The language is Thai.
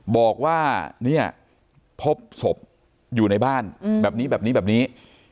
บอกว่าเนี่ยพบศพอยู่ในบ้านแบบนี้แบบนี้แบบนี้